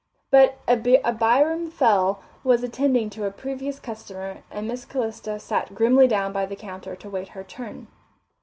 But Abiram Fell was attending to a previous customer, and Miss Calista sat grimly down by the counter to wait her turn.